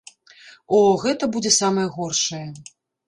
О, гэта будзе самае горшае.